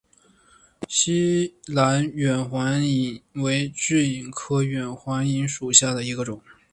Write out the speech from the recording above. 栖兰远环蚓为巨蚓科远环蚓属下的一个种。